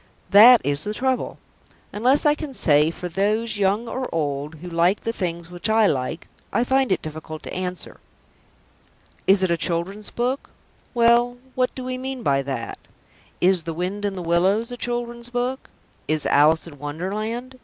That is the trouble. Unless I can say, "For those, young or old, who like the things which I like," I find it difficult to answer. Is it a children's book? Well, what do we mean by that? Is The Wind in the Willows a children's book? Is _Alice in Wonderland?